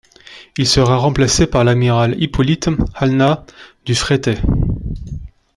Il sera remplacé par l'amiral Hippolyte Halna du Fretay.